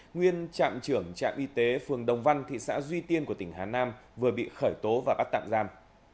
nguyên trạm trưởng trạm y tế phường đồng văn thị xã duy tiên của tỉnh hà nam vừa bị khởi tố và bắt tạm giam